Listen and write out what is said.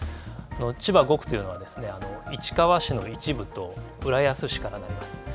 千葉５区というのは市川市の一部と浦安市からなります。